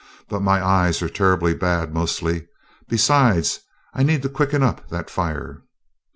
But my eyes are terrible bad mostly. Besides, I need to quicken up that fire."